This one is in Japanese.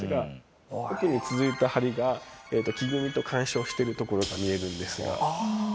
奥に続いた梁が木組みと干渉してる所が見えるんですが。